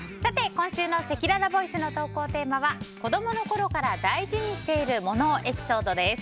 今週のせきららボイスの投稿テーマは子供の頃から大事にしている物エピソードです。